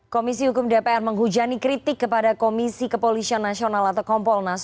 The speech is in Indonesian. komisi hukum dpr menghujani kritik kepada komisi kepolisian nasional atau kompolnas